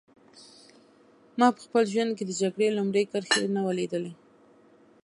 ما په خپل ژوند کې د جګړې لومړۍ کرښه نه وه لیدلې